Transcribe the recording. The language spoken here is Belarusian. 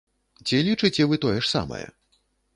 Ці лічыце вы тое ж самае?